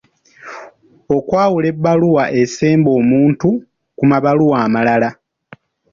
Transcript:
Okwawula ebbaluwa esemba omuntu ku mabaluwa amalala.